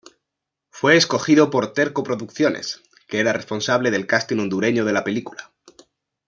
Fue escogido por Terco Producciones, que era responsable del casting hondureño de la película.